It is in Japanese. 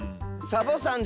サボさん？